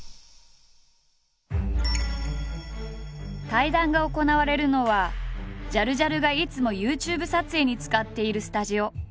対談が行われるのはジャルジャルがいつもＹｏｕＴｕｂｅ撮影に使っているスタジオ。